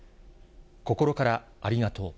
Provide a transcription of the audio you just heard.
心から、ありがとう。